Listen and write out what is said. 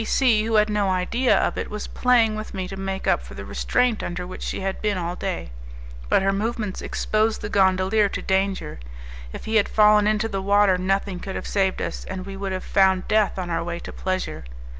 C C , who had no idea of it, was playing with me to make up for the restraint under which she had been all day; but her movements exposed the gondolier to danger; if he had fallen into the water, nothing could have saved us, and we would have found death on our way to pleasure.